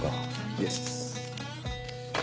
イエス。